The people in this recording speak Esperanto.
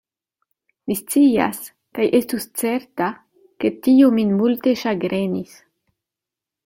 Mi scias: kaj estu certa, ke tio min multe ĉagrenis.